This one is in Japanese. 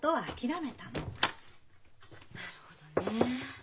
なるほどねえ。